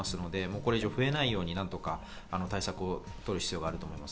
これ以上増えないようになんとか対策を取る必要があると思います。